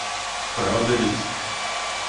Правда ведь?